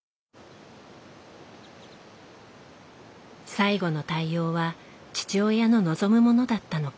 最期の対応は父親の望むものだったのか。